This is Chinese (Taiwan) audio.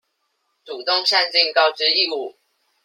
主動善盡告知義務